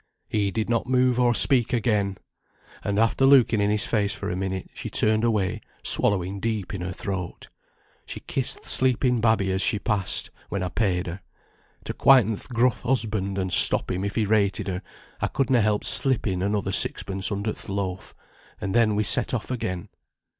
He did not move or speak again, and after looking in his face for a minute, she turned away, swallowing deep in her throat. She kissed th' sleeping babby as she passed, when I paid her. To quieten th' gruff husband, and stop him if he rated her, I could na help slipping another sixpence under th' loaf, and then we set off again.